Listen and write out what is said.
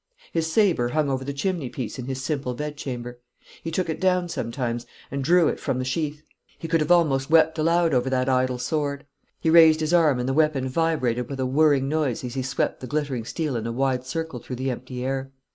His sabre hung over the chimney piece in his simple bedchamber. He took it down sometimes, and drew it from the sheath. He could have almost wept aloud over that idle sword. He raised his arm, and the weapon vibrated with a whirring noise as he swept the glittering steel in a wide circle through the empty air.